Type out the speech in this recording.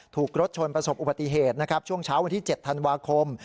ถูกรดชนประสบอุปติเหตุช่วงเช้าวันที่๗ธันวาคม